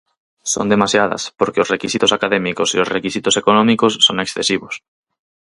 Son demasiadas, porque os requisitos académicos e os requisitos económicos son excesivos.